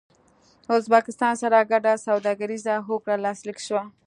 ازبکستان سره ګډه سوداګريزه هوکړه لاسلیک شوه